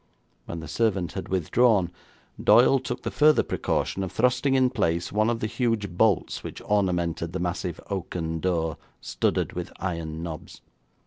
When the servant had withdrawn, Doyle took the further precaution of thrusting in place one of the huge bolts which ornamented the massive oaken door studded with iron knobs.